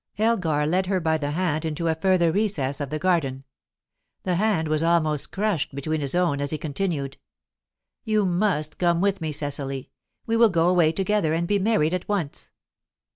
Elgar led her by the hand into a further recess of the garden; the hand was almost crushed between his own as he continued: "You must come with me, Cecily. We will go away together, and be married at once."